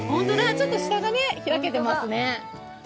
ちょっと下が開けてますね。